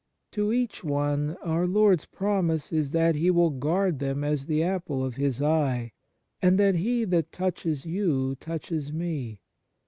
To each one Our Lord s promise is that He will guard them " as the apple of His eye," and that " he that touches you touches Me."